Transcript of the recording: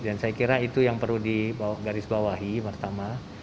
dan saya kira itu yang perlu digarisbawahi pertama